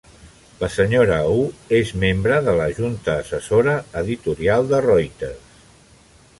La senyora Hu és membre de la Junta Assessora Editorial de Reuters.